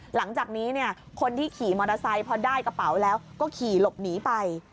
หลังจากนี้คนที่ขี่มอเตอร์ไซค์พอได้กระเป๋าแล้วก็ขี่หลบหนีไป